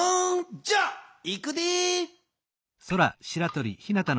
じゃあいくで。